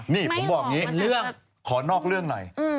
นี่ผมบอกอย่างนี้เรื่องขอนอกเรื่องหน่อย